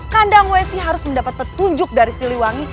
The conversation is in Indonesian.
kandang wesi harus mendapat petunjuk dari siliwangi